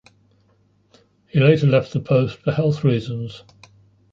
He later left the post for health reasons.